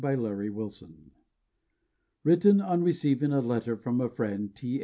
_ Lost Youth (_Written on receiving a letter from a friend, T.